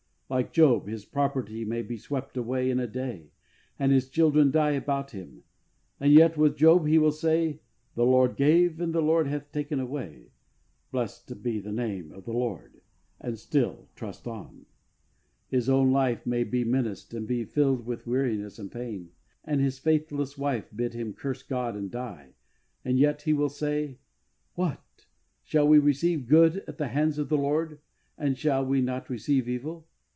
Like Job, his property may be swept away in a day, and his children die about him, and yet with Job he will say, "The Lord gave and the Lord hath taken away, blessed be the name of the Lord," and still trust on. 64 HEART TALKS ON HOLINESS. His own life may be menaced and be filled with weariness and pain, and his faithless wife bid him curse God and die, and yet he will say, " What ! shall we receive good at the hands of the Lord, and shall we not receive evil